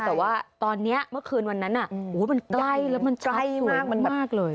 แต่ว่าตอนนี้เมื่อคืนวันนั้นมันใกล้แล้วมันใกล้มากมันมากเลย